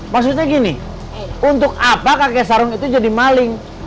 maksudnya gini untuk apa kakek sarung itu jadi maling